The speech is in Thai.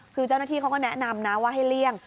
คือเจ้าหน้าที่เขาก็แนะนำนะว่าให้เลี่ยง